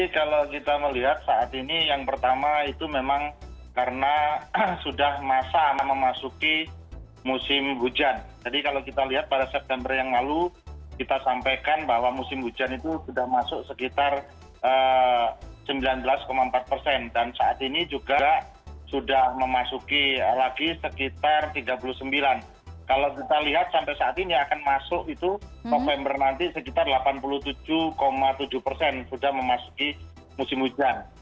kalau kita lihat sampai saat ini akan masuk itu november nanti sekitar delapan puluh tujuh tujuh persen sudah memasuki musim hujan